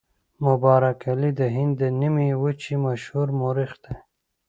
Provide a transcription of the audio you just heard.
مبارک علي د هند د نیمې وچې مشهور مورخ دی.